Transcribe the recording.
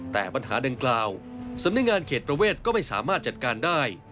แต่ปัญหาดังกล่าวสำนักงานเขตประเวทก็ไม่สามารถจัดการได้